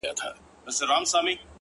ما خپل پښتون او خپل ياغي ضمير كي؛